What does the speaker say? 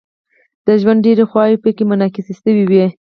د ژوند ډیرې خواوې پکې منعکس شوې وي.